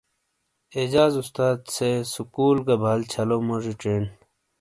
اعجاد استار سے سکول گہ بال چھلو موجی چینڈ۔